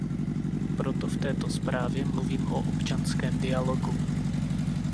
Proto v této zprávě mluvím o občanském dialogu.